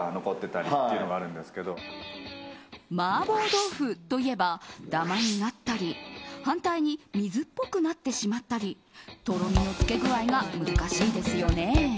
麻婆豆腐といえばダマになったり反対に水っぽくなってしまったりとろみのつけ具合が難しいですよね。